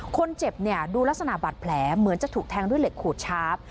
คนเจ็บเนี่ยดูลักษณะบาดแผลเหมือนจะถูกแทงด้วยเหล็กขูดชาร์ฟ